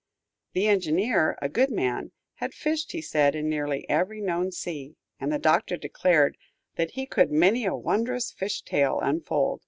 The engineer, good man, had fished, he said, in nearly every known sea, and the Doctor declared that he "could many a wondrous fish tale unfold."